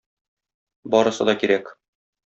Барысы да кирәк.